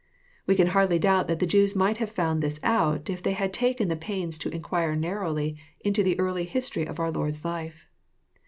We can hardly doubt that the Jews might have found out this, if they had taken the pains to inquire narrowly into the early history of our Lord*8 life.